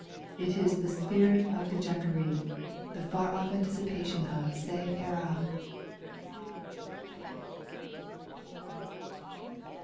It is the spirit of the Jacquerie, the far off anticipation of '(^aira.'